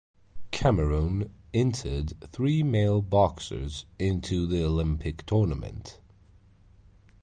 Cameroon entered three male boxers into the Olympic tournament.